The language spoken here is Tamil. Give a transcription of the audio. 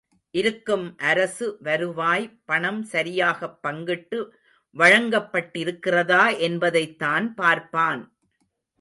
இருக்கும் அரசு வருவாய் பணம் சரியாகப் பங்கிட்டு வழங்கப்பட்டிருக்கிறதா என்பதைத் தான் பார்ப்பான்!